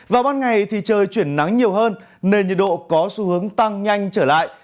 vào ban ngày thì trời chuyển nắng nhiều hơn nên nhiệt độ có xu hướng tăng nhanh trở lại